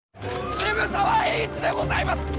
渋沢栄一でございます！